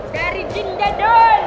dari jin dan dol